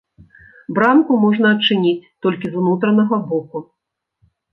Брамку можна адчыніць толькі з унутранага боку.